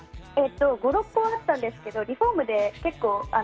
５６個はあったんですけどリフォームで結構。